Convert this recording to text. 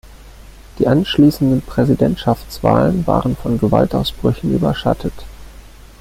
Die anschließenden Präsidentschaftswahlen waren von Gewaltausbrüchen überschattet.